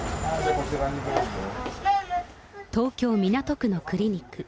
東京・港区のクリニック。